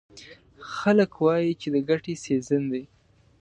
خلک وایي چې د ګټې سیزن دی.